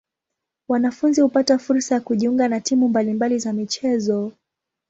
Wanafunzi hupata fursa ya kujiunga na timu mbali mbali za michezo.